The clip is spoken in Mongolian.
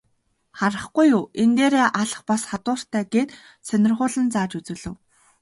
Харахгүй юу, энэ дээрээ алх бас хадууртай гээд сонирхуулан зааж үзүүлэв.